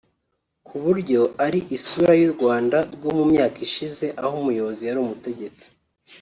ku buryo ari isura y’u Rwanda rwo mu myaka yashize aho umuyobozi yari umutegetsi